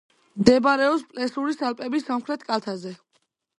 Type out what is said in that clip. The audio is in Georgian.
მდებარეობს პლესურის ალპების სამხრეთ კალთაზე.